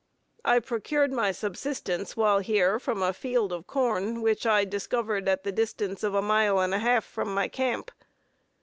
I procured my subsistence while here from a field of corn which I discovered at the distance of a mile and a half from my camp.